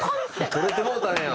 取れてもうたんや。